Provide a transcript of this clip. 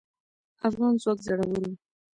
افغان ځواک زړور و